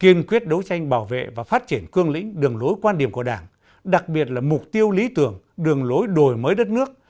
kiên quyết đấu tranh bảo vệ và phát triển cương lĩnh đường lối quan điểm của đảng đặc biệt là mục tiêu lý tưởng đường lối đổi mới đất nước